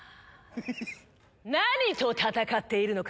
「何と戦っているのか」